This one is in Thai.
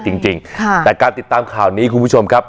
จริงจริงค่ะแต่การติดตามข่าวนี้คุณผู้ชมครับ